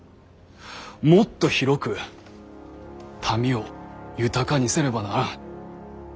もっと広く民を豊かにせねばならん。